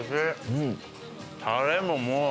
タレももう。